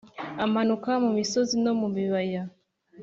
amanuka mu misozi no mu bibaya,